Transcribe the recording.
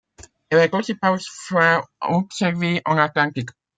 Elle est aussi parfois observée en Atlantique.